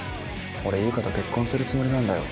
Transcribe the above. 俺優香と結婚するつもりなんだよ。